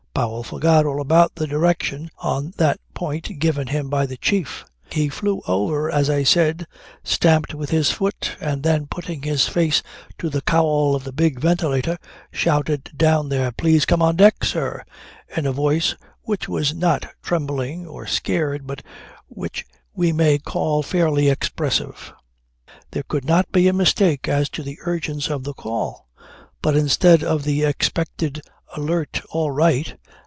Powell forgot all about the direction on that point given him by the chief. He flew over as I said, stamped with his foot and then putting his face to the cowl of the big ventilator shouted down there: "Please come on deck, sir," in a voice which was not trembling or scared but which we may call fairly expressive. There could not be a mistake as to the urgence of the call. But instead of the expected alert "All right!"